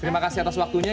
terima kasih atas waktunya